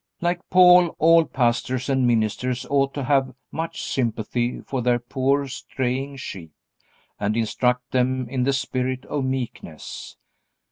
Like Paul, all pastors and ministers ought to have much sympathy for their poor straying sheep, and instruct them in the spirit of meekness.